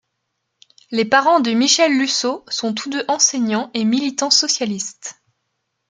Les parents de Michel Lussault sont tous deux enseignants et militants socialistes.